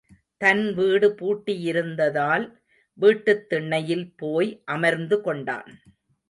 தன் வீடு பூட்டியிருந்ததால் வீட்டுத் திண்ணையில் போய் அமர்ந்துகொண்டான்.